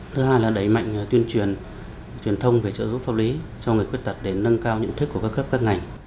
thứ hai là đẩy mạnh tuyên truyền truyền thông về trợ giúp pháp lý cho người khuyết tật để nâng cao nhận thức của các cấp các ngành